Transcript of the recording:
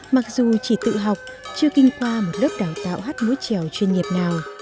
mặc dù chỉ tự học chưa kinh qua một lớp đào tạo hát múa trèo chuyên nghiệp nào